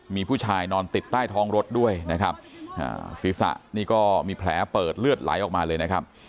มีผู้ชายนอนติดใต้ท้องรถด้วยนะครับศีรษะนี่ก็มีแผลเปิดเลือดไหลออกมาเลยนะครับ